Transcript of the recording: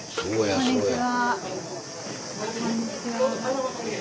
こんにちは。